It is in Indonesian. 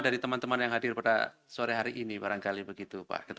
dari teman teman yang hadir pada sore hari ini barangkali begitu pak